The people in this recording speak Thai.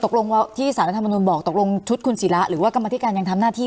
ตกลงที่สารรัฐมนุนบอกตกลงชุดคุณศิระหรือว่ากรรมธิการยังทำหน้าที่